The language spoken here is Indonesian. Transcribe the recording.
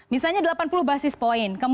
misalnya delapan puluh basis point